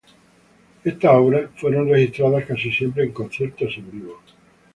Estas obras fueron registradas casi siempre en conciertos en vivo.